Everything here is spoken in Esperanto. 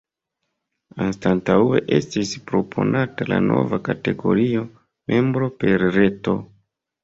Anstataŭe estis proponata la nova kategorio “Membro per Reto”.